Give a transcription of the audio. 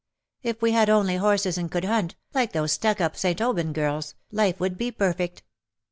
" If we had only horses and could hunt, like those stuck up St. Aubyn girls_, life would be perfect.'''